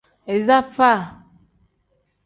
Iza faa.